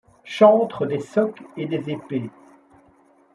Chantres des socs et des épées, -